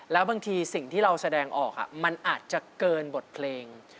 แล้วบางทีสิ่งที่เราแสดงออกมันอาจจะเกินบทเพลง